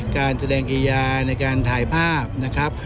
ไปสุดงามในการถ่ายภาพนะครับ